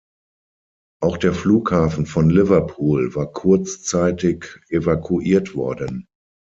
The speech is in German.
Auch der Flughafen von Liverpool war kurzzeitig evakuiert worden.